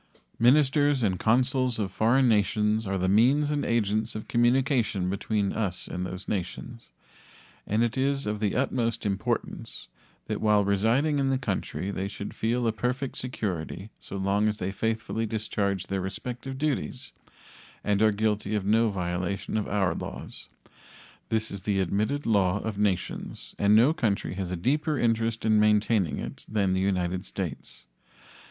Ministers and consuls of foreign nations are the means and agents of communication between us and those nations, and it is of the utmost importance that while residing in the country they should feel a perfect security so long as they faithfully discharge their respective duties and are guilty of no violation of our laws. This is the admitted law of nations and no country has a deeper interest in maintaining it than the United States.